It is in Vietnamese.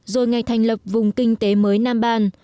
rồi ngày thành lập vùng kinh tế mới nam ban